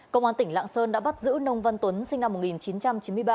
công an tỉnh lạng sơn đã bắt giữ nông văn tuấn sinh năm một nghìn chín trăm chín mươi ba